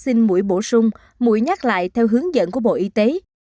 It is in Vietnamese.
xin mũi bổ sung mũi nhắc lại theo hướng dẫn của bộ y tế